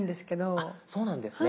あっそうなんですね。